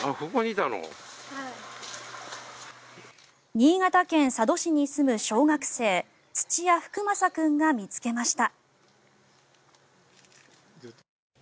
新潟県佐渡市に住む小学生土屋福将君が見つけました。